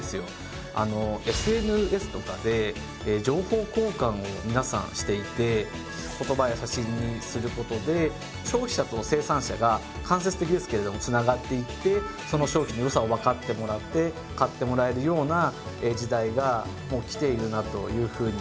ＳＮＳとかで情報交換をみなさんしていて言葉や写真にすることで消費者と生産者が間接的ですけれどもつながっていってその商品のよさをわかってもらって買ってもらえるような時代がもう来ているなというふうに強く思ってます。